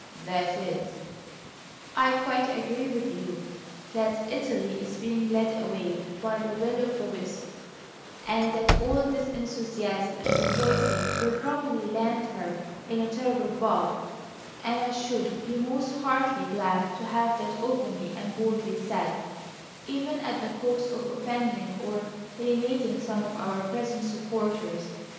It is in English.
"That is " "I quite agree with you that Italy is being led away by a will o' the wisp and that all this enthusiasm and rejoicing will probably land her in a terrible bog; and I should be most heartily glad to have that openly and boldly said, even at the cost of offending or alienating some of our present supporters.